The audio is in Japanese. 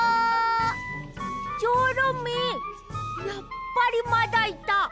やっぱりまだいた。